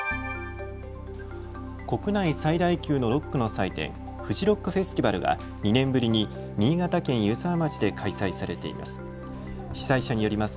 国内最大級のロックの祭典、フジロックフェスティバルは２年ぶりに新潟県湯沢町で開催されています。